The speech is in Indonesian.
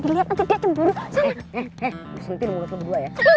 jalan melengkung uya masih legal untuk menikung kesempatan kesempitan